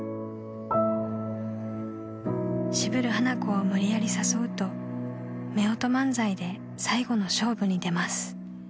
［渋る花子を無理やり誘うとめおと漫才で最後の勝負に出ます］